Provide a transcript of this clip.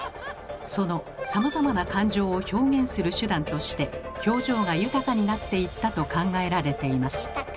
そのさまざまな感情を表現する手段として表情が豊かになっていったと考えられています。